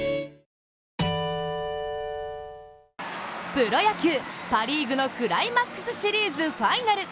プロ野球、パ・リーグのクライマックスシリーズファイナル。